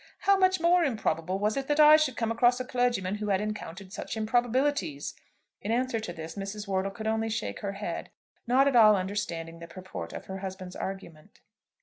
How much more improbable was it that I should come across a clergyman who had encountered such improbabilities." In answer to this Mrs. Wortle could only shake her head, not at all understanding the purport of her husband's argument.